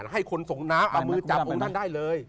ให้คนส่งน้ำเอามือจับองค์ท่านได้เลย